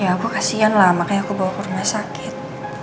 ya aku kasian lah makanya aku bawa ke rumah sakit